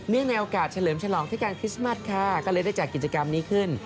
ในโอกาสเฉลิมฉลองเทศกาลคริสต์มัสค่ะก็เลยได้จัดกิจกรรมนี้ขึ้น